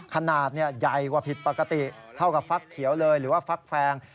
ขนาดใหญ่กว่าผิดปกติเท่ากับฟักเขียวเลยหรือว่าฟักแฟง